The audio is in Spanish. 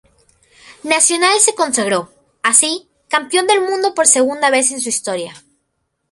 Nacional se consagró, así, campeón del mundo por segunda vez en su historia.